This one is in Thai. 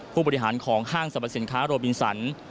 ผู้บริหารของห้างสรรพสินค้าโรบินสัน